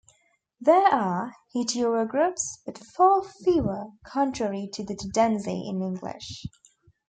There are heterographs, but far fewer, contrary to the tendency in English.